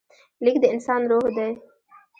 لیک د انسان روح دی.